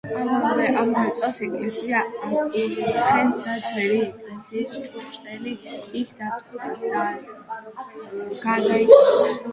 ამავე წელს ეკლესია აკურთხეს და ძველი ეკლესიის ჭურჭელი იქ გადაიტანეს.